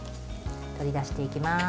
取り出していきます。